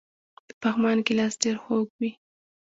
د پغمان ګیلاس ډیر خوږ وي.